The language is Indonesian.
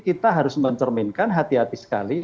kita harus mencerminkan hati hati sekali